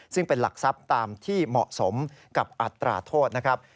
ซึ่งเป็นหลักทรัพย์ตามที่เหมาะสมกับอัตราโทษนะครับ